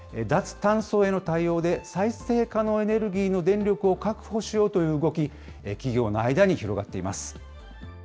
脱炭素への対応で、再生可能エネルギーの電力を確保しようという動き、企業の間に広がっています。